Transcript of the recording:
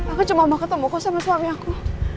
aku cuma mau ketemu kok sama suami aku